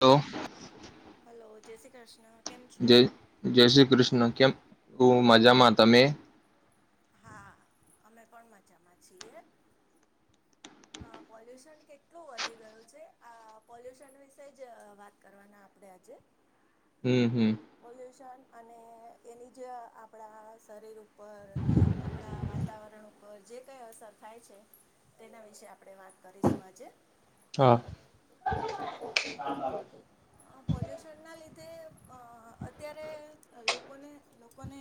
Hello hello જય શ્રી કૃષ્ણ કેમ છો? જય જય શ્રી કૃષ્ણ કેમ હુ મજામાં તમે હા અમે પણ મજામાં છીએ હ પોલ્યુશન કેટલું વધી ગયું છે આ પોલ્યુશન વિશે જ વાત કરવાના આપણેે આજે હમ હમ પોલ્યુશન અને એની જ આપણા શરીર ઉપર આપણા વાતાવરણ ઉપર જે કઈ અસર થાય છે તેના વિશે આપણેે વાત કરીશું આજે હા પોલ્યુશનના લીધે [inaudible] ના લીધે અત્યારે લોકોને લોકોને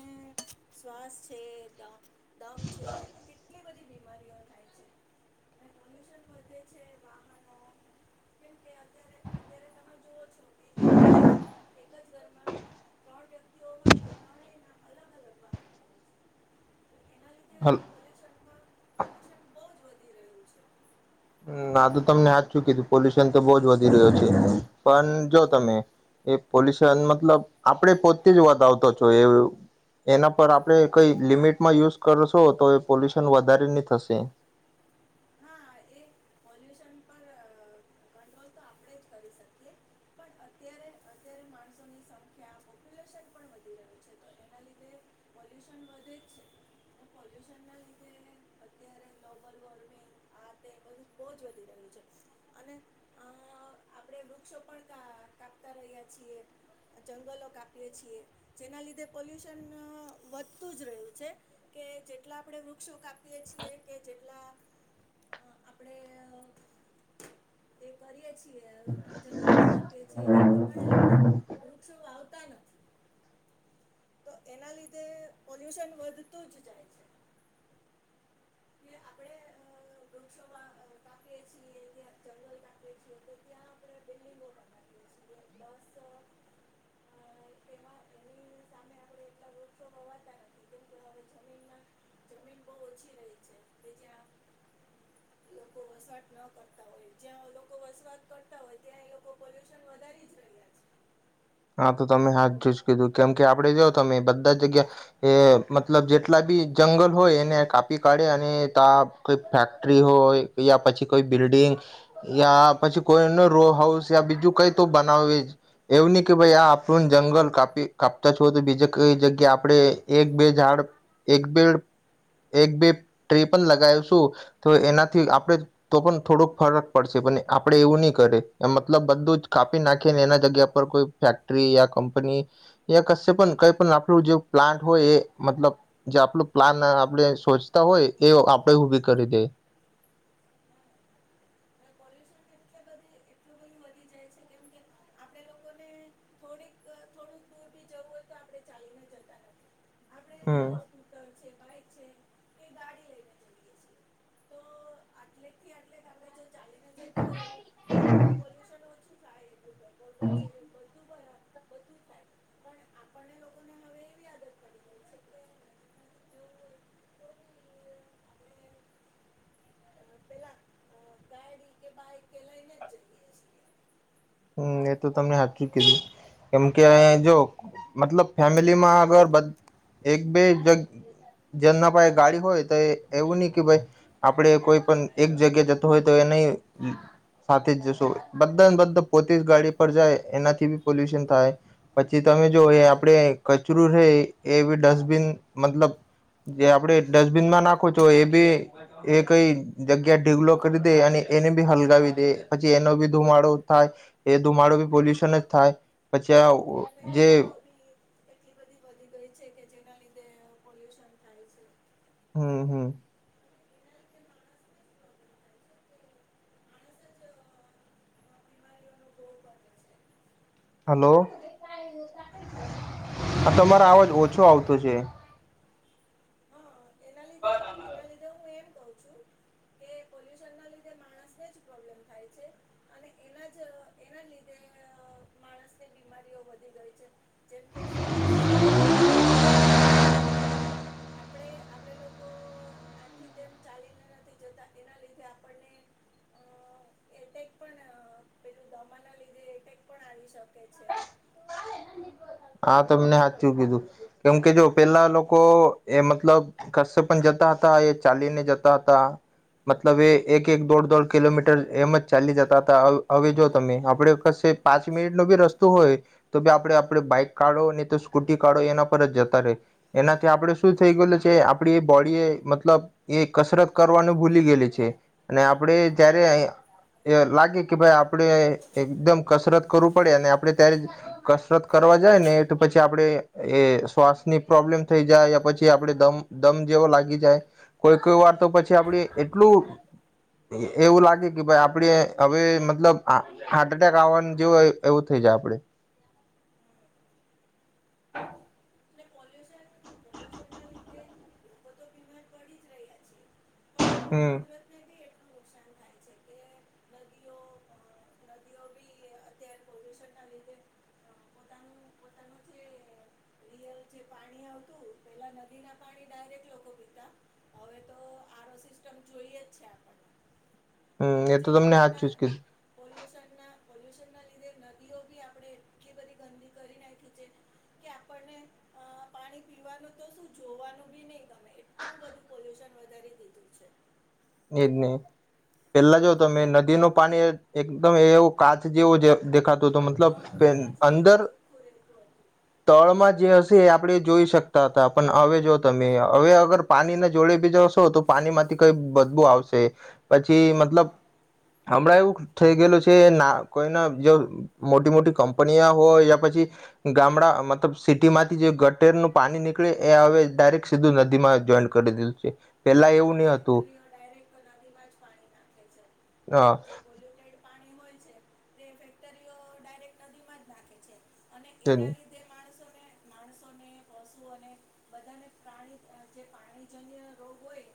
શ્વાસ છે. દમ છે કેટલી બધી [inaudible] પોલ્યુશન વધે છે આ કેમ કે અત્યારે અત્યારે તમે જુઓ છો એક જ એક જ ઘરમાં ત્રણ વ્યક્તિઓ હોય તો ત્રણે ના અલગ અલગ એના લીધે હલ્ પોલ્યુશનમાં પોલ્યુશન બહુ જ વધી રહ્યું છે આ તો તમને હજ ચુ કીધું પોલ્યુશન તો બહુ જ વધી રહ્યું છે પણ જો તમે હમ એ પોલ્યુશન મતલબ આપણે પોતે જ વધ આવતો છો એ એના પર આપણે કઈ લિમિટમાં યુઝ કરશો તો એ પોલ્યુશન વધારે નહી થશે હા એ પોલ્યુશન પર કંટ્રોલ તો આપણે જ કરી શકીએ પણ અત્યારે અત્યારે માણસોની સંખ્યા પોપ્યુલેશન પણ વધી રહ્યું છે તો એના લીધે પોલ્યુશન વધે જ છે તો પોલ્યુશનના લીધે અત્યારે ગ્લોબલ વોર્મિંગ આ તે બધું બહુ જ વધી રહ્યું છે અને આપે આપણે વૃક્ષો પણ કાપતા રહ્યા છીએ જંગલ પણ કાપીએ છે જેના લીધે પોલ્યુશન વધુ જ રહ્યું છે જેટલા આપણે વૃક્ષો કાપીએ છીએ કે જેટલા આપણે એ કરીએ છીએ જંગલો કાપીએ છીએ એ પ્રમાણે આપણે વૃક્ષો વાવતા નથી તો એના લીધે પોલ્યુશન વધતું જ જાય છે. [inaudible] અ [inaudible] કે જ્યાં લોકો વસવાટ ન કરતા હોય જ્યાં લોકો વસવાટ કરતા હોય ત્યાં એ લોકો પોલ્યુશન વધારી જ રહ્યા છે. હા તો તમે હા જો જ કીધું કેમ કે આપડે જાઓ તમે બધા જગ્યા એ મતલબ જેટલા બી જંગલ હોય એને કાપી કાઢે અને ત કઈ ફેક્ટરી હોય યા પછી કોઈ બિલ્ડીંગ યા પછી કોઈ ન રો હાઉસ યા બીજું કઈ તો બનાવે જ એવું ની ભાઈ આ આપણું જંગલ કાપી કાપતા છો તો બીજે કઈ જગ્યા આપણે એક બે ઝાડ એક બે એક બે ટ્રી પણ લગાવીશું તો એનાથી આપણે તો પણ થોડોક ફરક પડશે પણ આપડે એવું નહી કરે મતલબ બધું જ કાપી નાખીને એના જગ્યા પર કોઈ ફેક્ટરી યા કંપની યા કશે પણ કઈ પણ આપલું જે પ્લાન્ટ હોય એ મતલબ જે આપ પ્લાન આપણે સોચતા હોય, એ આપણે ઉભી કરી દે અને [inaudible] હા [inaudible] [inaudible] [inaudible] આપણે અ પેલા અ ગાડી કે બાઈક કે લઈને જ જઈએ છીએ. [inaudible] હમ એ તો તમને સાચું કીધું કેમકે જો મતલબ ફેમિલીમાં અગર એક બે જેમના પાસે ગાડી હોય તો એવું નહી કે ભાઈ આપણે કોઈ પણ એક જગ્યા જતો હોય, તો એને સાથે જ જશું બધાને બધા પોતે જ ગાડી પર જાય એનાથી બી પોલ્યુશન થાય પછી તમે જો એ હા. આપડેછ ર છે એ બી ડસ્ટબિન મતલબ જે આપડે હમ ડસ્ટબિનમાં નાખો છો, એ બી એ કઈ જગ્યા ઢીગલો કરી દે, અને એને બી હલગાવી દે પછી એનો બી ધુમાડો થાય એ ધુમાડો બી પોલ્યુશન જ થાય પછી. ચ જે ફેક્ટરીઓ બી એટલી બધી વધી ગઈ છે કે જેના લીધે પોલ્યુશન થાય છે. હમ્મ હમ્મ એના લીધે માણસને જ પ્રોબ્લેમ થાય છે કે માણસ જ અ બીમારીઓનો ભોગ બને છે. Hello, hello. હા તમારો અવાજ ઓછો આવતો છે. હા એના લીધે [unintelligible] [inaudible] આપડે લોકો આખથી તેમ ચાલીને નથી જતા એના લીધે આપણને એટેક પણ પેલું દમા ના લીધે એટેક પણ આવી શકે છે હા તમને હાથ ચું કીધું કેમ કે જો પેલા લોકો એ મતલબ કસે પણ જતા હતા, એ ચાલીને જતા હતા મતલબ એ એક એક દોઢ દોઢ કિલોમીટર એમ જ ચાલી જતા હતા, હવે જો તમે હમ આપડે કશે પાંચ મિનિટ ન બી રસ્તો હોય તો બી આપણે આપણે બાઈક કાઢો ને તો સ્કૂટી કાઢો એના પર જ જતા રહેે એનાથી આપણેે શું થઈ હા ગયેલું છે, આપડી એ બોડી એ મતલબ એ કસરત કરવાનું ભૂલી ગયેલી છે, અને આપડે હા જયારે લાગે કે ભાઈ આપણેે એકદમ કસરત કરવું પડે અને આપડણે ત્યારે કસરત કરવા જાય ને તો પછી આપડે એ શ્વાસની પ્રોબ્લેમ થઈ જાય પછી, આપડે દમ દમ જેવો લાગી જાય, કોઈ કોઈ વાર તો પછી આપડ એટલું એવું લાગે કે ભાઈ આપડ હવે મતલબ હાર્ટ એટેક આવવાનું જેવ એવું થઈ જાય આપડે એ પોલ્યુશન પોલ્યુશન ના લીધે લોકો તો બીમાર પડી જ રહ્યા છે પણ હમ્મ [unintelligible] રયલ જે પાણી આવતું પેલા નદી ના પાણી ડાયરેક્ટ લોકો પીતા હવે તો આરો સિસ્ટમ જોઈએ જ છે આપને હમ્મ એ તો તમને હાથ ચુઝકીશ લ્યુન ના લીધે નદીઓ બી આપડણે એટલી બધી ગંદી કરી નાખી છે, કે આપને પાણી પીવાનું તો શું? જોવાનું બી નહીિ ગમે એટલું બધું પોલ્યુશન વધારી દીધું છે એ જ નહી પેલા જો તમે નદી ન પાણી એકદમ એવો કાચ જેવો દેખાતું હતો, મતલબ હા કાચ જેવું અંદર ચોખ્ખું રહેતું હતું તળમાં જે હશે, એ આપણે જોઈ શકતા હતા પણ હવે જો તમે હવે અગર પાણીના જોડે બીજાશો તો પાણીમાંથી કઈ આવશે પછી મતલબ હા હમણાં એવું થઈ ગયેલું છે, ના હા કોઈના જો મોટી મોટી કંપની હોય યા પછી ગામડા મતલબ સિટી માંથી જે ગટેર નું પાણી નીકળે, એ હવે ડાયરેક્ટ સીધું નદીમાં જોઈન કરી દીધું છે પેલા હા એવું નહ હતું. ફેક્ટરીઓ ડાયરેક્ટ નદીમાં જ પાણી નાખે છે હા એનું [inaudible] જે પોલ્યુટેડ પાણી હોય ફેક્ટરીઓ ડાયરેક્ટ નદીમાં જ નાખે છે. તન ોને માણસોને પશુઓને બધાને પ્રાણી જે પાણીજન્ય રોગ હોય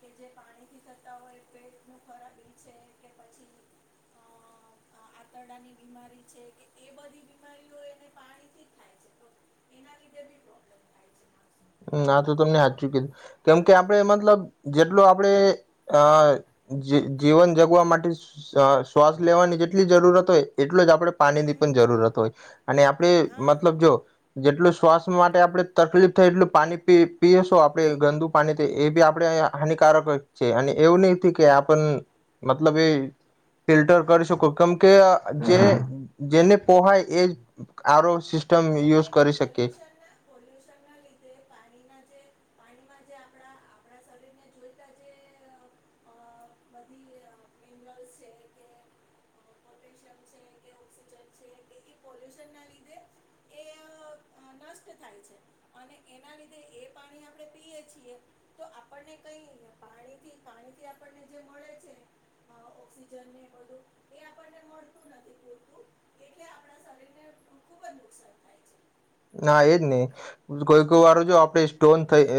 કે જે પાણીથી થતા હોય પેટ ખરાબી છે કે પછી આંતરડાની બીમારી છે, કે એ બધી બીમારીઓ એને પાણીથી થાય છે એના લીધે બી પ્રોબ્લેમ થાય છે. માણસોને હ આ તો તમને હથ ચુકીધું કેમ કે આપડ મતલબ જેટલો આપડે અ જીવન જગવા માટે શ્વાસ લેવાની જેટલી જરૂરત હોય, એટલો જ આપણે પાણીની હમ પણ જરૂરત હોય, અને આપણે હા મતલબ જો જેટલો શ્વાસ માટે આપણે તકલીફ થાય એટલું પાણી પીએેશો આપણે ગંદુ પાણી એ બી આપડે હાનિકારક છે, અને એવું નહ કે આપ મતલબ એ ફિલ્ટર કરી શકો, કેમ કે જે જેને પોહાય એજ આરો સિસ્ટમ યુઝ કરી શકે પોલ્યુશન ના પોલ્યુશન ના લીધ પાણીમાં જે આપણા આપણા શરીરને જોઈતા જે બધી મિનરલ્સ છે, કે પોટેશિયમ છે કે ઓક્સિજન છે, પોલ્યુશન લીધે એ ન્ટ થાય છે, અને એના લીધે એ પાણી આપણે પીય છીએ તો આપણને કઈ પાણીથી પાણીથી આપણને જે મળે છે ઓક્સજન બધું એ આપણને મળતું નથી, પૂરતું એટલે આપણા શરીરને ખુબ જ નુકસાન થાય છે. હા એજ નહી કોઈકઈ વાર જો આપડે સ્ટોન થ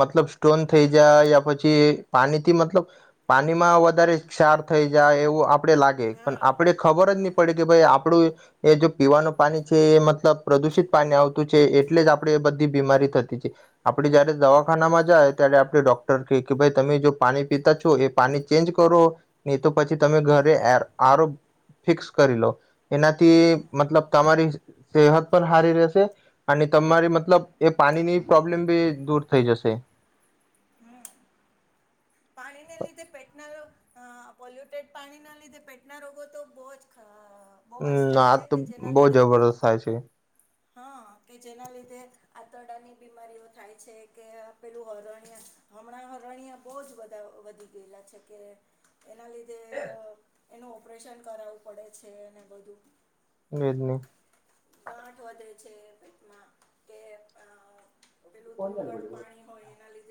મતલબ સ્ટોન થઈ જાય, યા પછી પાણીથી મતલબ પાણીમાં વધારે ક્ષાર થઈ જાય એવું આપડે લાગે પણ હા આપડે ખબર જ હા. નહી, પડે કે ભાઈ આપડું એ જો પીવાનું પાણી છે, એ મતલબ પ્રદુષિત પા આવતું છે, એટલે જ આપડે એ બધી બીમારી થતી છે આપડે જયારે હા દવાખાનામાં જાય ત્યારે આપડે ડોક્ટર ક કે ભાઈ તમે જો પાણી પીતા છો એ પાણી ચેન્જ કરો, હી તો પછી તમે હા ઘરે આરો ફિક્સ કરી લો હા એનાથી મતલબ તમારી સેહત પણ સારી રહે. તમારી મતલબ એ પાણીની પ્રોબ્લેમ બી દૂર થઈ જશે પાણીને લીધે પેટના રોગ હ પોલ્યુટેડ પાણી ના લીધે પેટના રોગો તો બહુ જ બહુ જ હમ થાય આજ છે તો કે જેના બહુ લીધે જબરદસ્ત થાય છે હા કે જેના લીધે આંતરડાની બીમારીઓ થાય છે કે આપેલું હરણ્ય હમણાં હરણ્ય બુહ જ વધી ગયેલા છે કે એના લિઘે એનું ઓપરેશન કરાવવું પડે છે અને બધું વેદ નુ ગાંઠ વધે છે પમાં કે [inaudible] પેલું ધૂળ વાળું પાણી હોય એના લીધે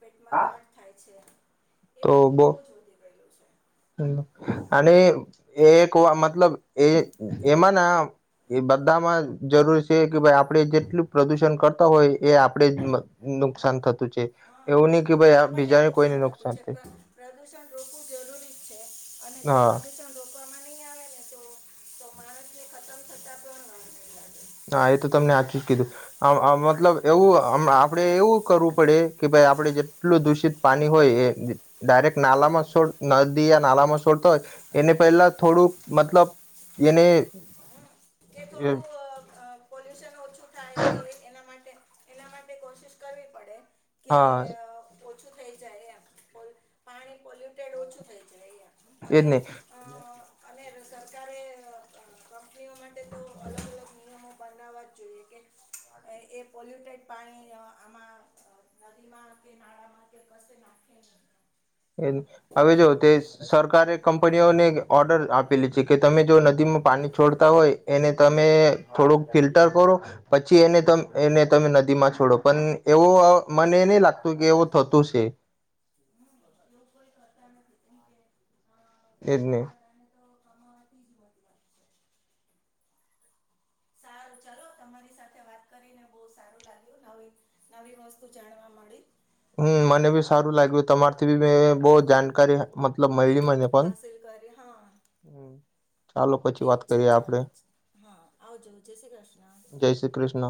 પેટમાં ગાંઠ થાય છે એ બધું પ્રોબો બહુ જ વધી ગયેલું છે અને એ એક વા મતલબ એ એમાં ના એ બધામાં જરૂર છે કે ભાઇ આપડ જેટલું પ્રદુષણ કરતા હોય એ આપણેે જ નુકસાન થતું છે હા એવું નહી કે એ ભાઈ આપણને જ બીજાને કોઈને નુકસાન થતું છે થાય પણ પ્રદુષણ રોકવું જરૂરી અને જો હા પ્રદૂષણ કોક માં નહી આવે ને તો તો માણસને ખતમ થતા પણ નહી લાગે હા એ તો તમને આખી જ કીધું આમ મતલબ એવું આપણે એવું કરવું પડે કે ભાઈ આપડણે જેટલું દૂષિત પાણી હોય એ ડાયરેક્ટ નાલામાં છોડ નદી નાલામાં છોડતા હોય એને પહેલા થોડુંક મતલબ એને કે થોડું પોલ્યુશન ઓછું થાય કે એના માટે એના માટે કોશિશ કરવી પડે કે હા અ, ઓછું થઈ જાય પાણી પોલ્યુટેડ ઓછું થઈ જાય એમ એ જ અને નહી અ, અને સરકારે કંપનીઓ માટે તો અલગ અલગ નિયમો બનાવવા જ જોઈએ કે એ પોલ્યુટેડ પાણી આમાં નદીમાં કે નાળામાં નાખ હવે જો તે સરકારે કંપનીઓને ઓર્ડર આપેલી છે કે તમે જો નથી માં પાણી છોડતા હોય એને તમે થોડુંક ફિલ્ટર કરો પછી એને એને તમે નદીમાં છોડો પણ એવો મને નહી લાગતું કે એવું થતું છે હમ એવું કોઈ કરતા નથી કેમ કે એ જને હા સારું ચલો તમારી સાથે વાત કરીને બહ સારું લાગ્યું નવી વસ્તુ જાણવા મળી હમ મને બી સારું લાગ્યું તમારથી બી મે બહ જાણકારી મતલબ મઈલી માં જતા એમ? હાસિલ કરી હા હમ્મ. ઠીક છે ચાલો હા, આવજો, જય શ્રી કૃષ્ણ. જય શ્રી કૃષ્ણ